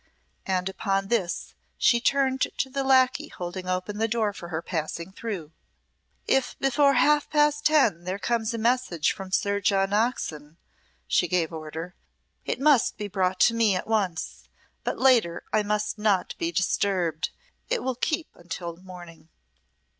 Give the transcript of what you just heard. And upon this she turned to the lacquey holding open the door for her passing through. "If before half past ten there comes a message from Sir John Oxon," she gave order, "it must be brought to me at once; but later I must not be disturbed it will keep until morning."